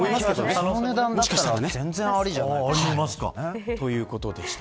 この値段だったら全然ありじゃないですか。ということでした。